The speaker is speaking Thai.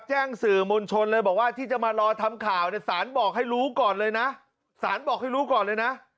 แจ้งสื่อมวลชนเลยบอกว่าที่จะมารอทำข่าวเนี่ยสารบอกให้รู้ก่อนเลยนะสารบอกให้รู้ก่อนเลยนะ